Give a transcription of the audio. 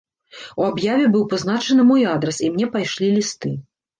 У аб'яве быў пазначаны мой адрас, і мне пайшлі лісты.